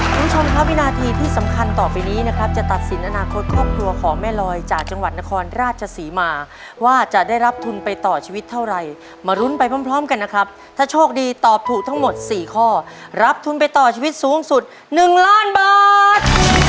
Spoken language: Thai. คุณผู้ชมครับวินาทีที่สำคัญต่อไปนี้นะครับจะตัดสินอนาคตครอบครัวของแม่ลอยจากจังหวัดนครราชศรีมาว่าจะได้รับทุนไปต่อชีวิตเท่าไรมารุ้นไปพร้อมกันนะครับถ้าโชคดีตอบถูกทั้งหมด๔ข้อรับทุนไปต่อชีวิตสูงสุด๑ล้านบาท